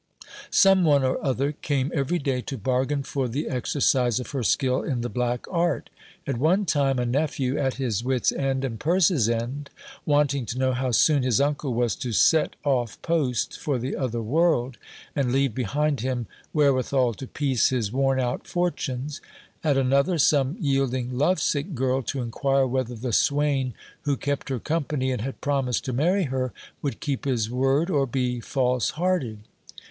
Some one or other came every day to bargain for the exercise of her skill in the black art : at one time a nephew at his wit's and purse's end, wanting to know how soon his uncle was to set off post for the other world, and leave behind him wherewithal to piece his worn out fortunes : at another, some yielding, love sick girl, to inquire whether the swain who kept her company, and had promised to marry her, would keep his word or be false hearted.